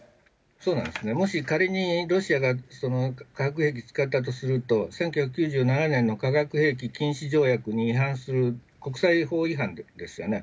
そうなんですね、もし仮に、ロシアが化学兵器使ったとすると、１９９７年の化学兵器禁止条約に違反する国際法違反ですよね。